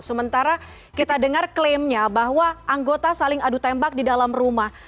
sementara kita dengar klaimnya bahwa anggota saling adu tembak di dalam rumah